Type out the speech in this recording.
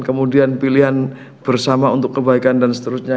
kemudian pilihan bersama untuk kebaikan dan seterusnya